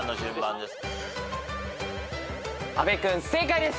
阿部君正解です！